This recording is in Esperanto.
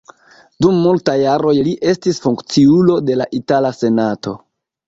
Dum multaj jaroj li estis funkciulo de la itala senato.